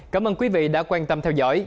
cảm ơn quý vị đã quan tâm theo dõi